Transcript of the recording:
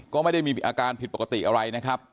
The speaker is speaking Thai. ก็ไม่ได้มีอาการผิดปกติอะไรนะครับ